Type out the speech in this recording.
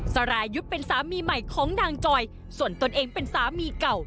รายุทธ์เป็นสามีใหม่ของนางจอยส่วนตนเองเป็นสามีเก่า